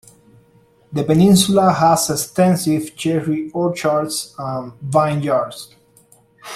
The peninsula has extensive cherry orchards and vineyards.